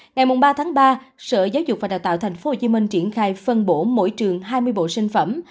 ngày ba ba sở giáo dục và đào tạo tp hcm triển khai phân bổ mỗi trường hai mươi bộ sinh phẩm